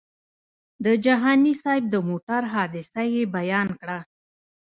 د جهاني صاحب د موټر حادثه یې بیان کړه.